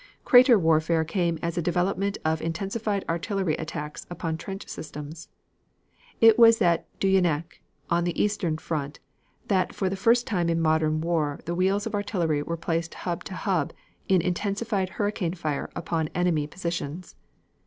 Crater warfare came as a development of intensified artillery attacks upon trench systems. It was at Dunajec on the eastern front that for the first time in modern war the wheels of artillery were placed hub to hub in intensified hurricane fire upon enemy positions.